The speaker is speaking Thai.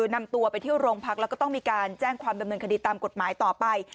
นำตัวไปเที่ยวโรงพักแล้วก็ต้องมีการแจ้งความดำเนินคดีตามกฎหมายต่อไป